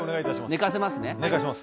寝かせます。